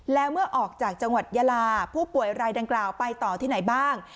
แล้วเมื่อออกจากจังหวัดยาลาผู้ป่วยรายดังกล่าวไปต่อที่ไหนบ้าง